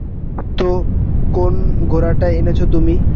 তো, কোন ঘোড়াটা এনেছ তুমি?